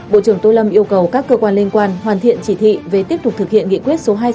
bộ trưởng tô lâm yêu cầu các cơ quan liên quan hoàn thiện chỉ thị về tiếp tục thực hiện nghị quyết số hai mươi sáu